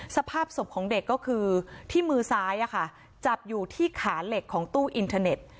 สภาพศพของเด็กก็คือที่มือซ้ายจับอยู่ที่ขาเหล็กของตู้อินเทอร์เน็ต